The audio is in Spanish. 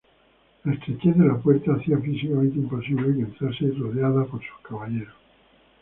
La estrechez de la puerta hacía físicamente imposible que entrase rodeado por sus caballeros.